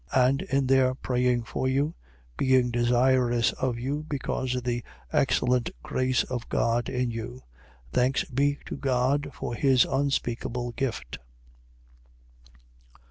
9:14. And in their praying for you, being desirous of you, because of the excellent grace of God in you. 9:15. Thanks be to God for his unspeakable gift.